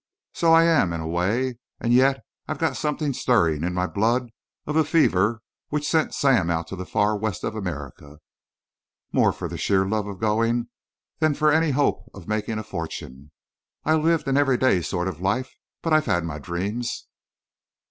So I am, in a way, and yet I've got something stirring in my blood of the fever which sent Sam out to the far west of America, more for the sheer love of going than for any hope of making a fortune. I've lived an everyday sort of life, but I've had my dreams."